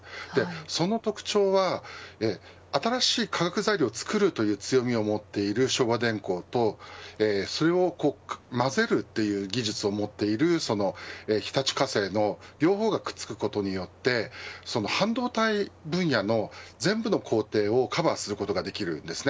その特徴は新しい化学材料を作るという強みを持っている昭和電工とそれを混ぜるという技術を持っている日立化成の両方がくっつくことによって半導体分野の全部の工程をカバーすることができるんですね。